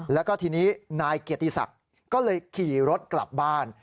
แล้วก็ทีนี้นายเกียรติศักดิ์ก็เลยขี่รถกลับบ้าน